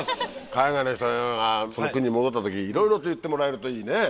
海外の人がその国に戻った時いろいろと言ってもらえるといいね。